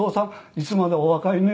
いつまでもお若いね」